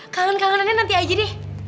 kangen kangenannya nanti aja deh